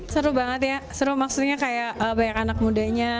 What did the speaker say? seru banget ya seru maksudnya kayak banyak anak mudanya